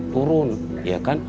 turun ya kan